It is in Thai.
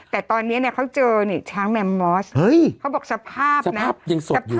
แต่ตอนเนี้ยเนี้ยเขาเจอเนี้ยช้างแมมมอสเฮ้ยเขาบอกสภาพนะสภาพยังสดอยู่เลย